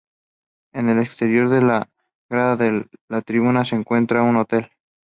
En el exterior de la grada de tribuna, se encontrará un hotel.